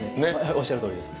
おっしゃるとおりです。